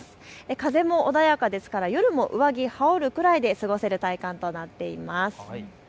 風も穏やかですから夜も上着、羽織るくらいで過ごせる体感となっています。